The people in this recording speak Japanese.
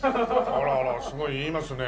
あらあらすごい言いますね。